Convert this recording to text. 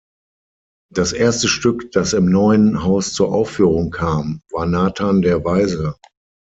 Das erste Stück, das im neuen Haus zur Aufführung kam, war Nathan der Weise.